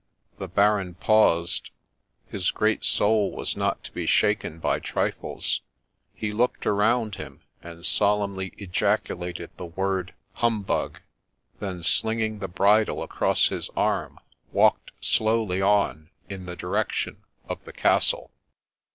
The Baron paused ; his great soul was not to be shaken by trifles ; he looked around him, and solemnly ejaculated the word ' Humbug !' then slinging the bridle across his arm, walked slowly on in the direction of the castle.